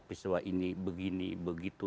peristiwa ini begini begitu